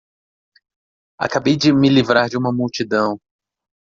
Acabei de me livrar de uma multidão.